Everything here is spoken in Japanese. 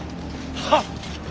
はっ！